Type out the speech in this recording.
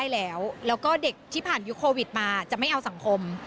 แล้วก็เด็กที่ผ่านยุคโควิดมาจะไม่เอาสังคม